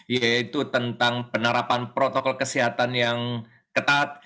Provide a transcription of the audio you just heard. yaitu tentang penerapan protokol kesehatan yang ketat